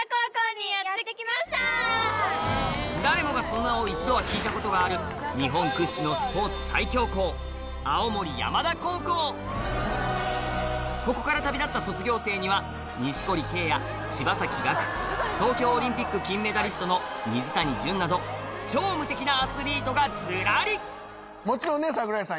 誰もがその名を一度は聞いたことがある日本屈指のここから旅立った卒業生には錦織圭や柴崎岳東京オリンピック金メダリストの水谷隼など超無敵なアスリートがずらりもちろんね櫻井さん